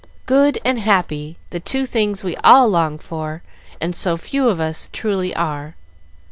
Good and happy the two things we all long for and so few of us truly are.